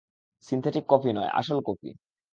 Synthetic coffee নয়, আসল coffee.